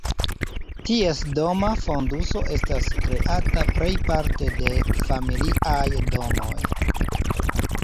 Ties doma fonduso estas kreata plejparte de familiaj domoj.